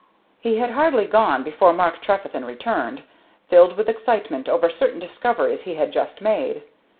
He had hardly gone before Mark Trefethen returned, filled with excitement over certain discoveries he had just made.